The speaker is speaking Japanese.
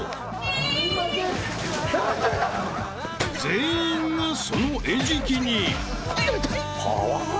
［全員がその餌食に］